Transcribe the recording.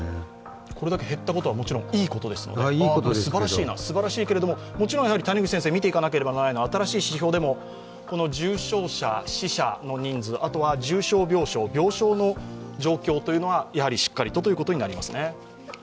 これだけ減ったことはいいことですので、すばらしいな、すばらしいけどもちろん谷口先生、見ていかなければならないのは新しい指標でも重症者、死者の人数重症病床、病床の状況ということはしっかりということになりますね。